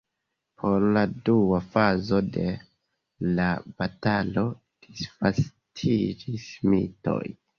Por la dua fazo de la batalo disvastiĝis mitoj.